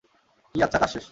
কী, আচ্ছা, কাজ শেষ।